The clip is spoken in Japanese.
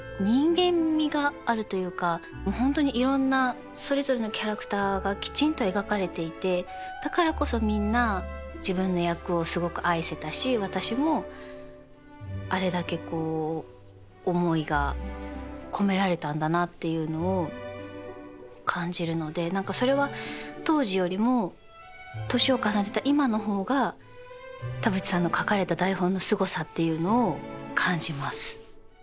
本当にいろんなそれぞれのキャラクターがきちんと描かれていてだからこそみんな自分の役をすごく愛せたし私もあれだけこう思いが込められたんだなっていうのを感じるので何かそれは当時よりも年を重ねた今の方が田渕さんの書かれた台本のすごさっていうのを感じます。